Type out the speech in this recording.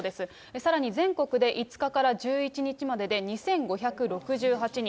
さらに全国で５日から１１日までで２５６８人。